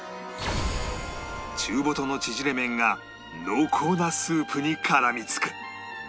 中太の縮れ麺が濃厚なスープに絡みつく